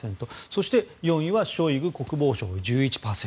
そして４位はショイグ国防相１１％。